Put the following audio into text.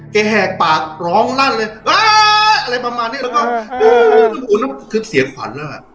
แกแหกปากร้องรั่นเลยอะไรประมาณนี้แล้วก็คือเสียขวัญแล้วอ่ะ